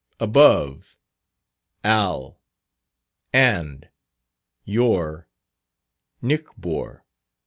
Above. Al. And. your. Nichbour.